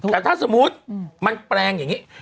แต่ถ้าสมมุติมันแปลงอย่างนี้